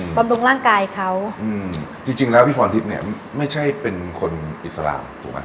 บำรุงร่างกายเขาจริงแล้วพี่พรทิพย์เนี่ยไม่ใช่เป็นคนอิสลามถูกมั้ย